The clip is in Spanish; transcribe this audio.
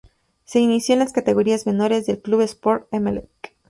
Se inició en las categorías menores del Club Sport Emelec.